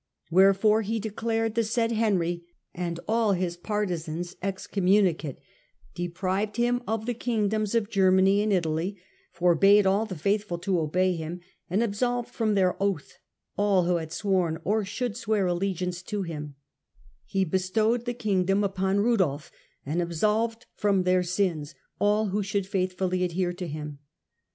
Wherefore he declared the said Henry and all his partisans excommunicate, deprived him of the kingdoms of Germany and Italy, forbad all the faithful to obey him, and absolved from their oath all who had sworn or should swear allegiance to him: he bestowed the kingdom upon Budolf, and absolved from their sins all who should faithfully ad here to him.